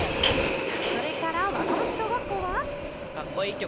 それから若松小学校は。